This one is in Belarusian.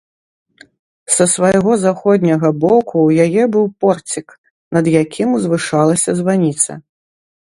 Са свайго заходняга боку ў яе быў порцік, над якім узвышалася званіца.